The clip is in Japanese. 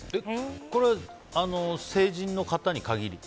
これは成人の方に限り？